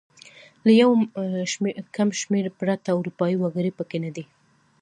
له یو کم شمېر پرته اروپايي وګړي پکې نه دي.